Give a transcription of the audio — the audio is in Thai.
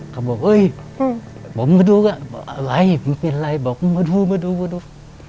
เขาบอกเอ้ยผมมาดูกันอะไรมีอะไรบอกมาดูมาดูมาดู